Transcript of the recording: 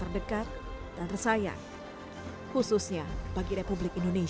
terdekat dan tersayang khususnya bagi republik indonesia